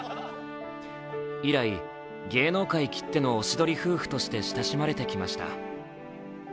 以来、芸能界きってのおしどり夫婦として親しまれてきました。